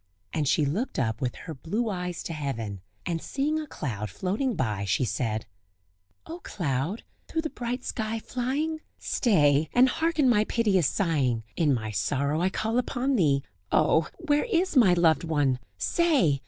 And she looked up with her blue eyes to heaven, and seeing a cloud floating by, she said: "O cloud! through the bright sky flying! Stay, and hearken my piteous sighing! In my sorrow I call upon thee; Oh! where is my loved one? say!